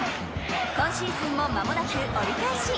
今シーズンもまもなく折り返し。